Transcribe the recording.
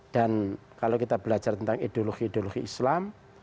dan kalau kita belajar tentang ideologi ideologi islam